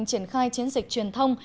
triển khai chiến dịch truyền thông